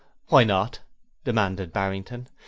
'Why not?' demanded Barrington.